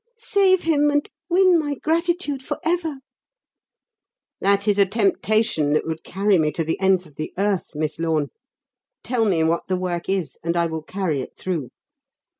Save him, and win my gratitude for ever!" "That is a temptation that would carry me to the ends of the earth, Miss Lorne. Tell me what the work is, and I will carry it through.